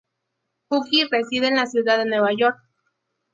Cooke reside en la Ciudad de Nueva York.